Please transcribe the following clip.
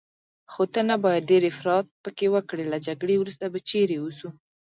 خو ته نه باید ډېر افراط پکې وکړې، له جګړې وروسته به چیرې اوسو؟